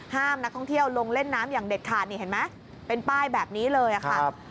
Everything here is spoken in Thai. ห้ามนักท่องเที่ยวลงเล่นน้ำอย่างเด็ดขาดนี่เห็นไหมเป็นป้ายแบบนี้เลยค่ะ